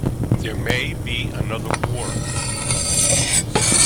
There may be another war.